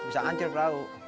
bisa hancur perahu